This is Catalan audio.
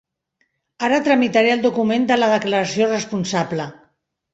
Ara tramitaré el document de la declaració responsable.